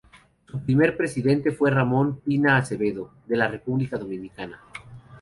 Su primer presidente fue Ramón Pina Acevedo, de la República Dominicana.